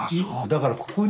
だからここに